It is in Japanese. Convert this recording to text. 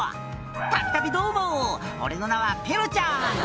「度々どうも俺の名はペロちゃん」